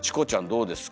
どうですか？